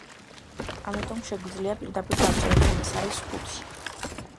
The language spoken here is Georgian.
ამიტომ, შეგვიძლია პირდაპირ დავწეროთ, რომ ეს არის ხუთი.